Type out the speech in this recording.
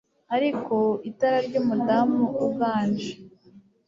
Ariko itara ry'umudamu uganje